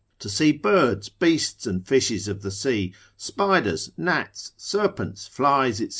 To see birds, beasts, and fishes of the sea, spiders, gnats, serpents, flies, &c.